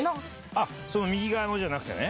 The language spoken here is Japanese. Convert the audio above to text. その右側のじゃなくてね。